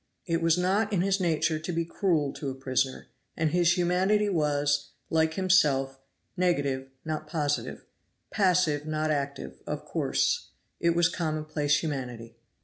It was not in his nature to be cruel to a prisoner, and his humanity was, like himself, negative not positive, passive not active of course; it was commonplace humanity.